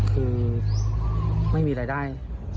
คือไม่มีรายได้